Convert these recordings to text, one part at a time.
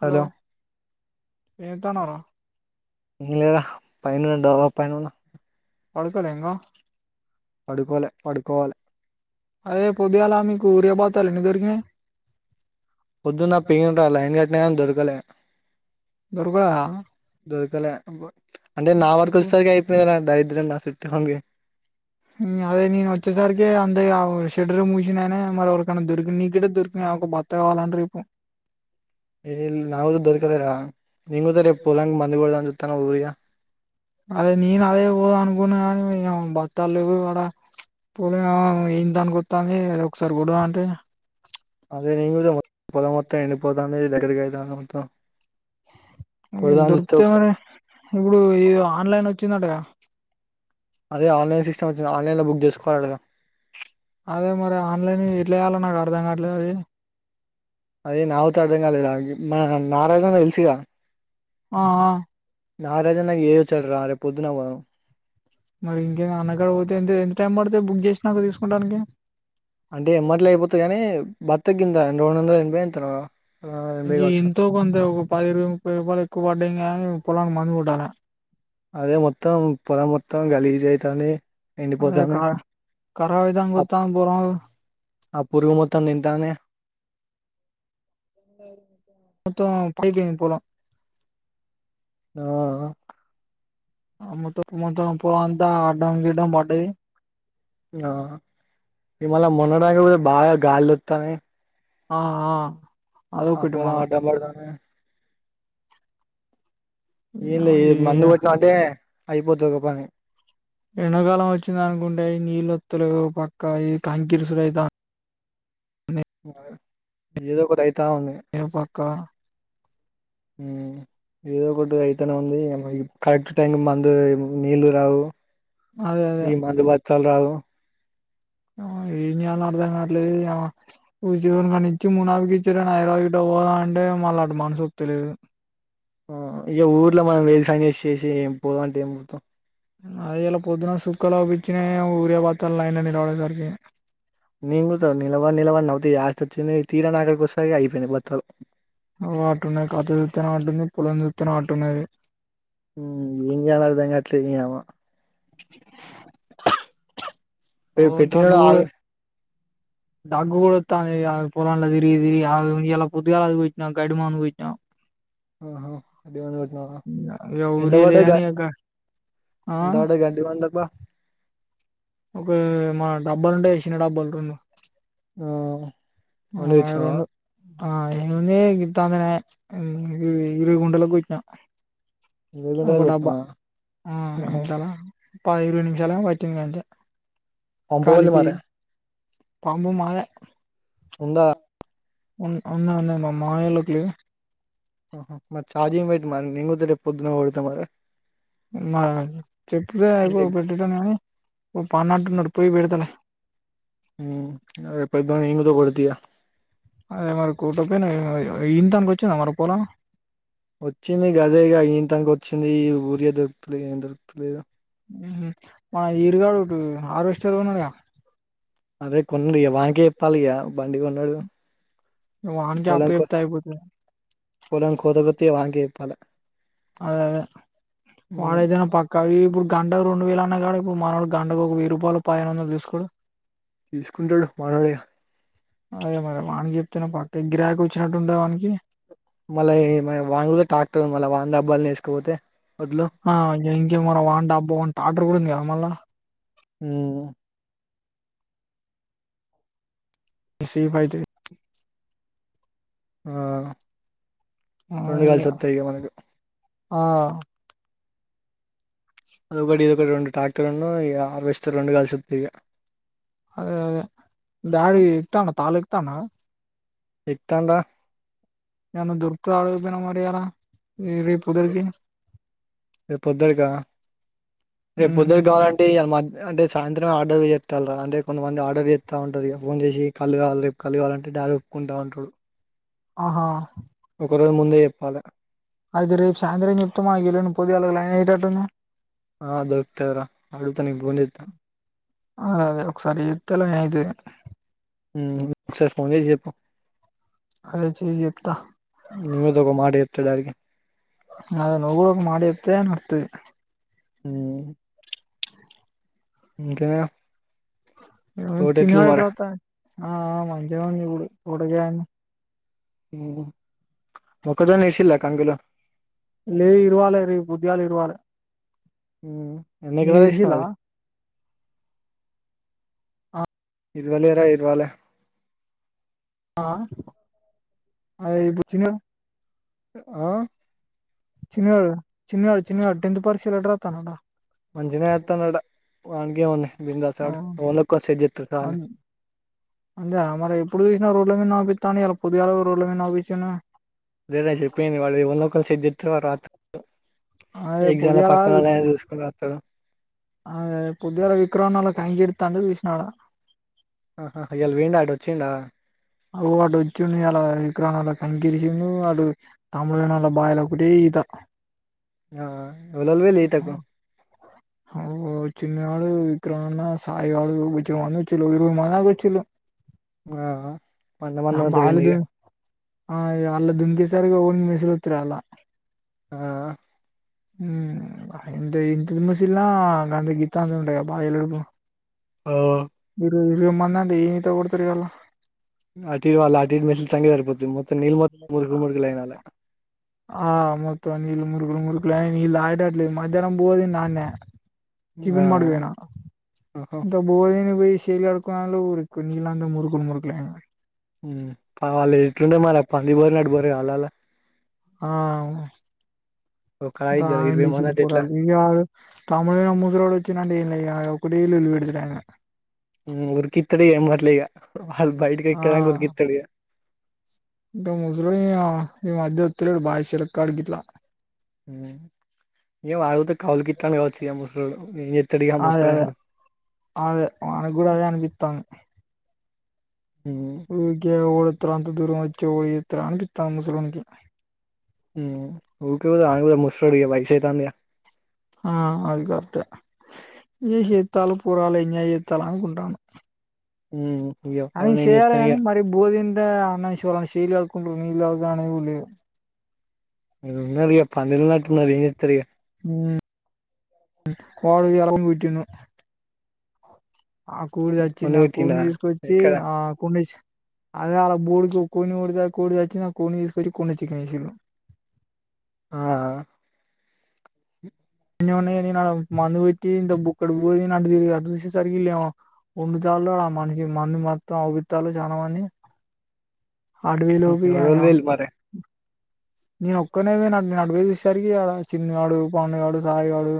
hello ఏంతానార యా పైనండ పైను పడుకోల ఇంగా పడుకోలే పడుకోవాలి అదే పొద్దుగేల మీకు ఊరియాబాతాల ఎన్ని దొరికినాయ్ పొద్దున్న పిండ లైన్ కట్న గని దొరకలే దుర్గా దొరకలే అంటే నా వరకు వచ్చేసరికి అయిపోయి దరిద్రం నా సుతింగి మ్ అదే నేను వచ్చేసరికి అంద ఆ ఉష్ చెెడర్ మూసినాయనే మరి ఒకరికైన్నా దొరికిన నీకే దొరికినా ఒక బత్త కావాలంట రేపు ఇల్ నావగు దొరికదరా నేనైయితే రేపు పొలం గి మందు కొడదామని చూతన ఊరిగా అదే నేను అదే పోదు అనుకున్నా కాని ఇగ బత్తా లు లేవు ఆడ పోలి ఏంటి దానికి గుత్తంది అద ఒకసారి గొడవ అంటడి అదే న మత్త పొలం మొత్తం ఎండి పోతంది దగ్గరగాయదా మొత్తం మ్ కొడదామని చూస్తే దొరికుతాయ్ ఒకసారి మరి ఇప్పుడు ఇ ఆన్లైన్ వచ్చిందటగా అదే ఆన్లైన్ సిస్టమ్ వచ్చింది ఆన్లైన్ లో బుక్ చేసుకోవాలి కదా అదే మరి ఆన్లైన్ ఎట్లాయాల నాకు అర్ధం కావట్లే అది అదే నాకుత అర్థం కాలేదు మ నారాయణ తెలిసుగా ఆ ఆ నారాజా నా ఏ వచ్చ అరే పొద్దున పోదాం మరి ఇంకే అన్నగడ పోతేంత ఎంత టైం పడితే బుక్ చేసినాక తీసుకోడానికి అంటే ఎంమట్లు అయిపోతాయి కాని బత్త కిందా రెండు వందల ఎనభై ఎంతనో ఆ ఎనభై అందే కావచ్చు ఎంతో కొంత ఒక పది రూపాయ ముప్పై రూపాయలు ఎక్కువ పడ్డా కా పొలానికి మందు కోట్టాల అదే మొత్తం పొలం మొత్తం గాలిజయితండే అదే క కరా విధంగా ఆ గుతం గుర లో ఆ పూర్గు మొత్తం తింటానే మొత్తం పైన్ పొలం ఆ ఆ మొత్తం మత్తం పొలం అంతా అడం గిడం పడ్డది ఆ నిన్నలా మొన్న నంకా కూడా బాగా గాల్లెపుతానాయ్ ఆ అదొకటి పొలం మళ్ళా అడ్డం పడతాంది ఏం లే ఈ మందు కొట్టినావంటే అయిపోతది ఒక పని ఎండాకాలం వచ్చింద అనుకుంటే ఈ నీళ్ళు పతులు ఓ పక్క ఈ కాంకి ఇరుసుడు అయితాంది ఏదొకటైతాంది ఎవకా మ్ ఏదో ఒకటి అయితనే ఉంది కరెక్ట్ టైం కి మందు నీళ్ళ రావు అదే అదే ఈ మందు బత్తాలు రావు మ్ ఎం చెయ్యాలో అర్థం కాట్లేదు ఇగ ఈ జీవన్ గాన్ని నిజంగా [unintelligible] పోదా అంటే మళ్ళా అట్ట మనసోప్త లేదు ఆ ఇక ఊర్లో మనం తెల్సింక చేసి ఏం పో అంటే ఏం పోతాం అది ఇలా పొద్దున సుక్కలోపించిన ఊరియా పాతాల నైన్ని రావడంసరికి నింగుతావ్ నిల్వ నిల్వ నవత ఎస్టొచ్చింది తీరా నాగర్కి వసరి అయిపోయిన బత్తాలు ఓ అటున్నాయి కాత చుతేనే అటుంది పొలం చుస్తనే అటు ఉన్నది ఇం ఎం చెయ్యాలో అర్థం కాట్లే నీ అమ్మ ఓ పెట్టిన కూడా దగ్గు ఆల్ దగ్గు కూడా ఒతంది పోలం తిరిగి తిరిగి అ ఇయల పొద్దుగాల అది కొట్టిన గడ్డి మందు కొట్టిన ఆహా అదే ఇగ ఎంత ఊరియా వడ్డది గ లేదని ఇక ఆ ఎంత వడ్డది గడ్డి మందికి ఒక మా డబ్బలుంటే చిన్న డబ్బ అంత హ అయి రెండు ఆ ఏముంది గింతంతనే ఇరు గుంటలకి కొట్టిన ఇరవై ఒక గుంటలకు డబ్బా కొట్టినావా ఆ ఆహా [unintelligible] ఒక ఇరవై నిమిషాలు ఏమో వటింది అంతే అంతే ఉన్నదార పాంపూ మాదే ఉంద ఉన్ ఉంనాదన్న మా మావోళ్ళకి లే హ మరి చార్జింగ్ పెట్టు మరి [unintelligible] పొద్దునా పోత మరి చెప్తే అయిపో ఇంక- పెట్టీ పొమ్మని ఓ పనంటున్నాడు పోయి పెడుతలే ఊ ఇగ పొద్దున నేను కూడ పెడితిగా అదే మరి కోట పోయినావు ఇంతానికి వచ్చిందా మరి పోలం వచ్చింది గదేగా ఈంతంక వచ్చింది ఊరియా దొరుకుతలేదు ఏం దొరుకుతలేదు మన ఇరుగాడు ఒక ఆరోస్టర్ కొన్నాడుగా అదే కొన్నాడు ఇక వానికే చెప్పాలి ఇక బండి కొన్నాడు వానికి పొలం కో అప్పచెప్తే అయిపోతది పొలంకోతే గిత్త వానికే చెప్పాలి అదే అదే వాడు అయితేనే పక్క కా ఇప్పుడు గంటకు రెండు వేలు అన్నా కాడ ఇప్పుడు మానకు గంటకు ఒక వెయ్యి రూపాయలు పదిహెన్ వందలు తీసుకోలు తీసుకుంటాడు మాదావయా అదే మరి వానీకి చెప్తేనే పక్క గిరాకి వచ్చినట్టుంటది వానికి మళ వాన్ దగ్గరే టాక్టర్ ఉన్నది మల్ల వాణి డబ్బాల్ నే వేసుకపోతే వడ్లు ఆ ఇంకే మనం వంటబ్బా వంట ట్రాక్టర్ కూడా ఉంది కదా మళ్ళా హామ్ సేఫైతే ఆ ఆ రెండు ఇగ కలిసి వస్తాయిగా మనకి ఆ అదొకటి ఇదొకటి రెండు ట్రాక్టర్లను అది బెస్ట్ రెండు కలిసి ఒస్తాయ్ ఇగ అదేద డాడి ఇడుతండ తాలు ఇడుతండ ఎంకల్ల ఏమన్నా దొరుకుతాయా అడగక పోయినావ్ ఇయల రే పొదురికా రేపు పొద్దురుకావాల అని అంటే సాయంత్రం ఆర్డర్ చేస్తాలరా అంటే కొంతమంది ఆర్ చేస్త ఉంటారు ఇక ఫోన్ చేసి కలుగాలి రేపు కలుగావలంటే డ అంట ఉంటారు ఆహా చెప్పాలే అయితే రేపు సాయంత్రం చెప్త మగె [unintelligible] పోద్దు [unintelligible] రెనా ఆ దొక్కుతయార అడుగుత నేన ఫోన్ చేస్తా ఆ అదే ఒకసారి చేతరా అదే ఒకసారి ఫోన్ చేసి చెప్పు అదే చె చెప్త నువ్వేదో [unintelligible] అద నువ్వు కూడా ఒక మాట చెప్తే నడుతది హూ ఇంకా చినివా రాతా మంచిగా ఇ ఎడ గ అ మొక్కజొన్న ఏసిండ్రా కంకిలో లేదు ఇరవాలి రేపు పొద్దుగాల ఇరవాలా ఎన్ని ఎకరాలు వేసినావు అది ఇవాలరా ఇర్వాలా ఆ అ పుచ్చిన ఆ చిన్నగాడు చిన్నగాడు చిన్నగాడు టెన్త్ పరీక్షలు ఎట్లా రాత్రండంట మంచిగా రాండంట వాడికి ఏమైంది ఆ అ అంతే మరి ఎప్పుడు చూసిన రోడ్ పొద్దుగాల కూడా రోడ్లమీదనే గాన వచ్చిండు అదే చెప్పంది వాళ్ళువన్నొక్కనిసదివా రాత్ర అదే ఎగ్జామ్లో పక్కననే చూసుకోత అ పొద్దుగాల విక్రోం నలా కంగితాంట విష్నాడ ఆహా ఎల్ వీండా ఆడ వచ్చిండా అవు వాడు వచ్చుం అలా విక్రానా కంకిరిసిడు వాడు తమ్ముళల బాల ఒక త ఆ ఎవరెవరు పోయిండ్రు ఈతకు చిన్న ఆళ్ విక్రమన్న సాా ఆలు వ మంది వచ్చ ఇరువై మంది వచ్చలు ఆ మందమందంతా పోయిరా ఇగ దు ఆ అలా దుంకసరిగా హో మసులుతుర అలా ఆ ఇంత ఇంత దిమశలా అంత గీతా అంత ఉంట బాయలుడుకు ఆ ఇ ఇవే మంది అండి ఏమీత కొడతారు అల్లా అటుడి వాళ్ళ అటుడి మెస్లు చంగా సరిపోతుంది మొత్తం నీళ్ు మొం మురుగులు మురుగులుైన వాళ్ ఆ మొత్త నీళ్ళ మురుగులు మురుగులు నల్ళ ఆయటడ్లే మధ్యాహ్నం పోోది నే ఆ వన్ మవనా ఆహా ఇంత బోదని బయి విషలుడుకు నీలా అంద మురుకులు మురుకులే వాళ్ళు ఎట్లుండే మరి ప అంది బరి నట్టు బర వాళ్ాలలా ఆ ఒక మొత్తం ఇద్దరు ఆగం ఇరవై మంది చేసిండ్రు అంటే ఎట్లా పోరగాళ్లు తమిళ ముస్రోడు వచ్చినండి కుడలు ఉళ్ పెడుతుట ఉరికి తడి ఏ మట్లేగా వాళ బయటకి ఆ ఇక్కంగా ఉరుకితడిగా ఈవ మధ్యతుల బాషీల క అగిట్లా ఏం అడిగితే కౌలుకితడు కావచ్చు ముసలోడు ఏం చేస్తాడు ఇక అదే అదే ముసలాయనయిండు అదే మనకు కూడా అదే అనిపిస్తాంది ఊరిక ఓడితార అంత దూరం వచ్చి ఓడిత అనిపిస్తా ఉంది ముసలోనికి ఆ ముసలోడు వయసయితాందిగా ఆ అది కరెక్టే ఏ చేస్తాలు పోరగాళ్లు ఎంజాయ్ చేస్తాల అనుకుంటాను హ అని చేయాలి కాని మరి భోధం ే అన్నాల చేలిడుకుంటలా అవు లే ఉన్న పందల నా ఉన్నారు ఏార కోడది ఇరక పోటిు ఆ కూడి ఫోన్ సచ్చింది ఆ పెట్టిండా కూడిని తీసుకొచ్చి ఎక్కడ ఆ కూడి అదే అలా బర్డుకి కొన్నిి కొదా కోడిదచ్చి నా కొన్ని ఇి కొన్నిు చికెన్ చేసిండు ఆ ఎన్నమన్నాయ మందు పెట్టి ఇంత బుక్కడు పో అటు చూసేసరికిళ్ళమో ఉండుతలో ఆ మనిషి మంది మొత్తం అపితాలు చాల మని ఎళ వెల్ మరి నేను ఒక్కనేద న నడిపే చరికిడ చిన్నగాడు పండుగాడు సాయిగాడు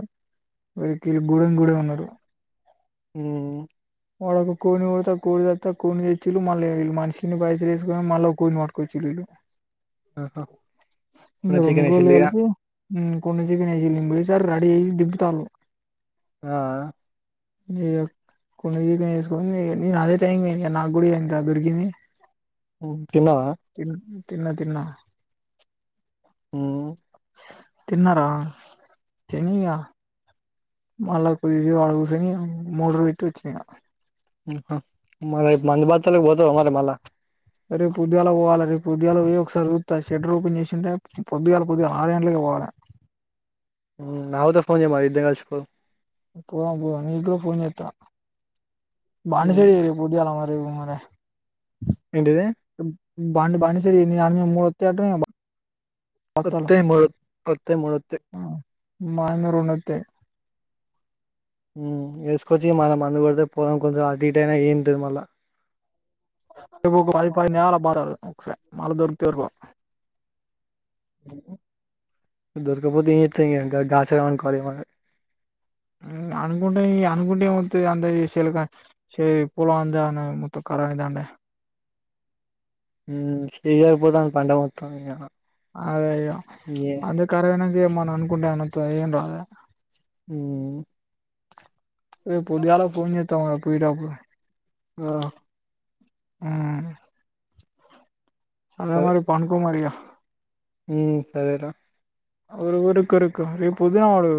వరి కీ బూడం గూడ ఉన్నారుడు హ, వాడక కోని కొడా కోడి తతా కోని తెచ్చులు మళ్ళీ మనిషిని బైస వేసుకని మళ్ళా కోని పట్టుకోవచ్చు ఆహా ఇంకా చికెన్ రెండుగోలు ఏసిల్లు ఇగ కలిపు కొన్ని చకింబడి సార్ రడిీ దిబ్త ఆ ఏ కొన్నిీక వేసుకుని నేను అదే టైం ఏ నాకు కూడా ఎంత దొరికింది త తిన్నవా తిన్న తిన్నా తన్నార చంగగా మళ్ళా కుది అడగుసని మూడు విట్ వచ్చన మరిపు మందు భాతలోకి పోతా మరి మళ్ళా రేపు ఉద్్యగాలు పోాలి రే ఉద్్యగాలు పో ఒకసారి షె రూపెన్ చేసింటే పొద్గాల పొద్గా ఆ పోడ అవుతో ఫోన్ చే మరిద్దంగా స్కో పోద పోద నకులో పోత బాండసేడి ఉమ్, ఏరియా పుజ అాల మ మర ఏంటది బ బడిసరి మూడు అత్త బస్తాలు మ అత్త మత్ మామి రణతే వేసుకొచ్చి మనం అందుకడితే పోం కొంచెం అడట్ అయినా ఏంటిది మళ్ళీ పది పది నేరాల బ మళ దూరకు తీర్కు దుర్గపోతిత గచ్చ రన మ అనుకుంటే అనుకుంటే మత్త అలక పోల అంద మత్త ప ఇదాంే సజ ఇపోతా పంట మొత్తం అదే అయ్యో ఏ అందుే కర వెనాకే మన అనుకుంటే అన్న ఏను రాద అ ఏ పొద్దుగాల ఫోన్ చేస్తావ్ గద పాయిరపో ఆ ఆ సరే అరి పాన్కు మరియ సరేరా రురుక్కరుకు రేపు పొద్దున వాడు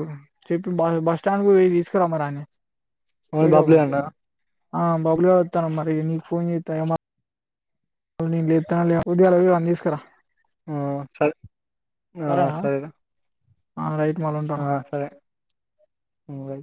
చెప్పి బస్ బస్ స్టాండ్ కు పొయ్యి తీసుకురామ్మ రాని మను బబ్బులే అన్నా ఆ బబులు వెళతాను మరి నీకు ఫోన్ చేస్తా వు లే ఎ లే ఉదాలని తీసుకురా సర సరేనా సరే ఆ రైట్ మళ్ళ ఆ ఉంటానా సరే